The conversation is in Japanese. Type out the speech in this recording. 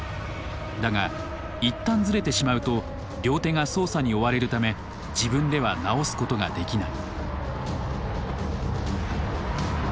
だが一旦ズレてしまうと両手が操作に追われるため自分では直すことができない。